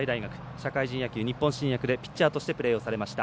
社会人野球日本新薬でピッチャーとしてプレーされました。